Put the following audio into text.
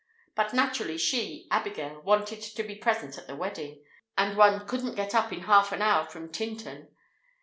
But naturally she, Abigail, wanted to be present at the wedding; and one couldn't get up in half an hour from Tintern!